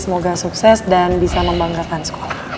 semoga sukses dan bisa membanggakan sekolah